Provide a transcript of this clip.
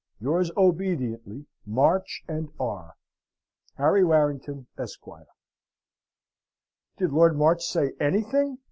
Yours obediently, MARCH AND R. "Henry Warrington, Esq." "Did Lord March say anything?"